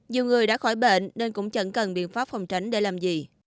nhiều người đã khỏi bệnh nên cũng chẳng cần biện pháp phòng tránh để làm gì